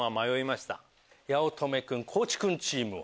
八乙女君・地君チームは？